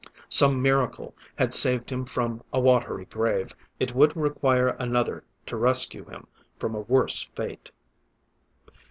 Some miracle had saved him from a watery grave; it would require another to rescue him from a worse fate.